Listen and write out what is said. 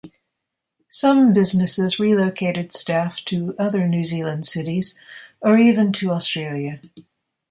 Some businesses relocated staff to other New Zealand cities, or even to Australia.